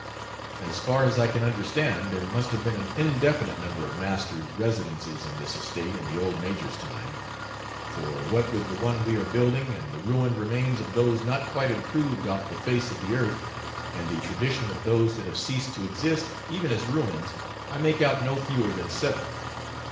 As far as I can understand there must have been an indefinite number of 'masters'' residences on this estate in the old Major's time; for what with the one we are building, and the ruined remains of those not quite improved off the face of the earth, and the tradition of those that have ceased to exist, even as ruins, I make out no fewer than seven.